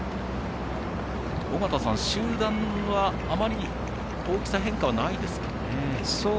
尾方さん、集団はあまり大きさ変化はないですかね。